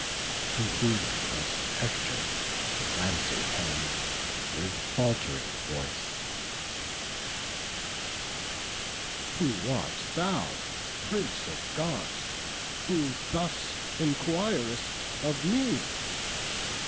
To whom thus Hector of the glancing helm With falt'ring voice: "Who art thou, Prince of Gods, Who thus enquirest of me?